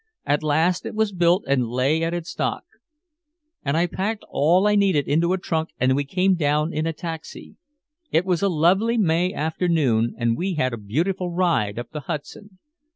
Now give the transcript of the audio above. At last it was built and lay at its dock, and I packed all I needed into a trunk and we came down in a taxi. It was a lovely May afternoon and we had a beautiful ride up the Hudson.